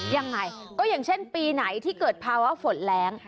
ยังไงก็อย่างเช่นปีไหนที่เกิดภาวะฝนแรง